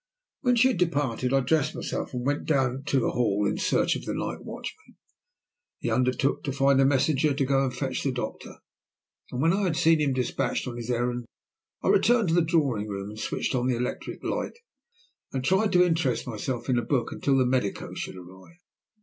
When she had departed, I dressed myself and went down to the hall in search of the night watchman. He undertook to find a messenger to go and fetch the doctor, and, when I had seen him despatched on his errand, I returned to the drawing room, switched on the electric light, and tried to interest myself in a book until the medico should arrive.